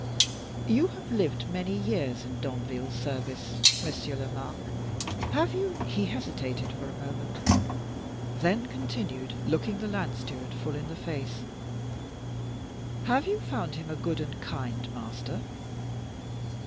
You have lived many years in Danville's service, Monsieur Lomaque; have you" he hesitated for a moment, then continued, looking the land steward full in the face "have you found him a good and kind master?"